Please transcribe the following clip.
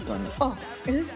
あっえっ？